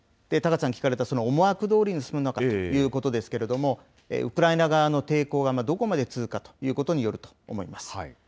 高瀬さんが聞かれた、思惑どおりに進むのかということですけれども、ウクライナ側の抵抗がどこまで続くかということによると思います。